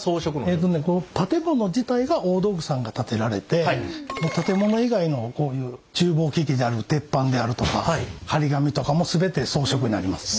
えっとねこの建物自体は大道具さんが建てられて建物以外のこういう厨房機器である鉄板であるとか貼り紙とかも全て装飾になります。